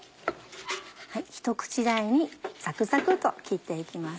ひと口大にザクザクっと切って行きます。